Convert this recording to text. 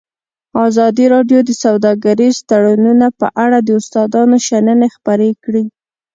ازادي راډیو د سوداګریز تړونونه په اړه د استادانو شننې خپرې کړي.